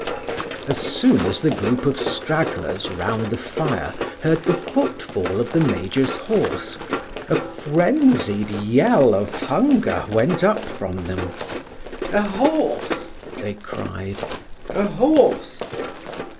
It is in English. As soon as the group of stragglers round the fire heard the footfall of the Major's horse, a frenzied yell of hunger went up from them. "A horse!" they cried. "A horse!"